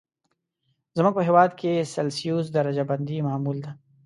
زموږ په هېواد کې سلسیوس درجه بندي معمول ده.